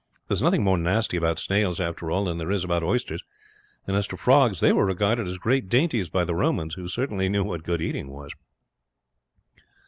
There is nothing more nasty about snails after all than there is about oysters; and as to frogs they were regarded as great dainties by the Romans, who certainly knew what good eating was."